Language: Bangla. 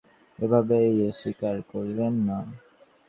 আধুনিক বৈদান্তিকগণ এ কথা একেবারেই স্বীকার করেন না।